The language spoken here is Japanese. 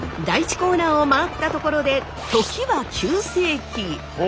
第１コーナーを回ったところで時は９世紀。